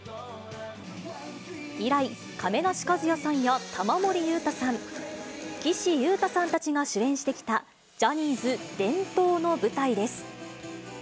以来、亀梨和也さんや玉森裕太さん、岸優太さんたちが主演してきたジャニーズ伝統の舞台です。